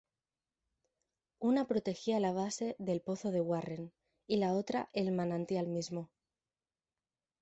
Una protegía la base del Pozo de Warren y la otra el manantial mismo.